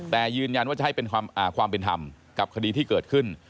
แต่ยืนยันว่าจะให้เป็นความเป็นธรรมกับคดีที่เกิดขึ้น